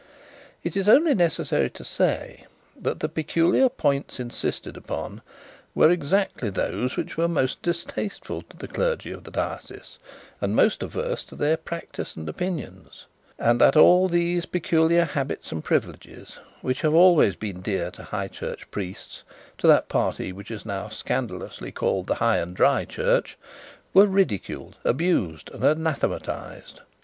It is only necessary to say, that the peculiar points insisted on were exactly those which were most distasteful to the clergy of the diocese, and most averse to their practices and opinions; and that all those peculiar habits and privileges which have always been dear to high church priests, to that party which is now scandalously called the high and dry church, were ridiculed, abused, and anathematised.